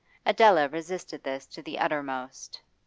Adela resisted this to the uttermost.